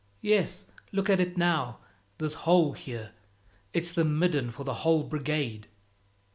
Yes, look at it now; this hole here, it's the midden for the whole Brigade."